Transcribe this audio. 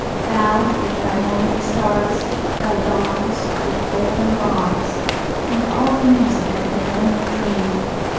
Thou, with Thy morning stars, Thy dawns, with golden bars, And all the music of the heavenly train.